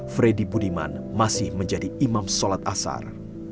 freddy budiman masih menjadi imam sholat asar